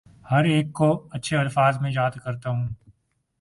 ہر ایک کو اچھے الفاظ میں یاد کرتا ہوں